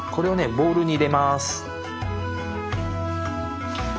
ボウルに入れます。